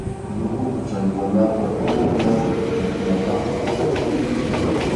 Llukuqa challwanapaq ima chakunapaqmi.